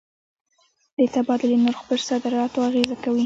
د تبادلې نرخ پر صادراتو اغېزه کوي.